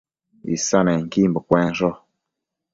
Isannequimbo cuensho